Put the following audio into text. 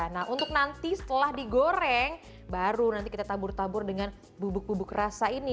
nah untuk nanti setelah digoreng baru nanti kita tabur tabur dengan bubuk bubuk rasa ini